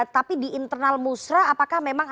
tapi di internal musrah apakah memang